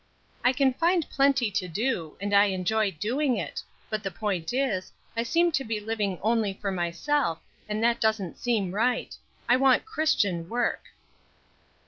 "I can find plenty to do, and I enjoy doing it; but the point is, I seem to be living only for myself, and that doesn't seem right. I want Christian work."